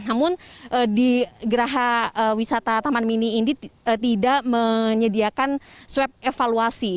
namun di geraha wisata taman mini ini tidak menyediakan swab evaluasi